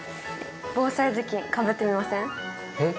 防災頭巾かぶってみません？え？